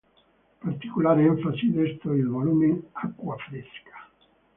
Particolare enfasi destò il volume "Acqua fresca?